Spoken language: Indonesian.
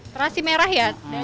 terasi merah ya